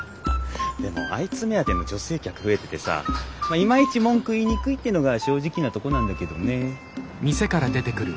でもあいつ目当ての女性客増えててさいまいち文句言いにくいってのが正直なとこなんだけどね。